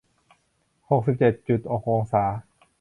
หกสิบเจ็ดจุดหกองศา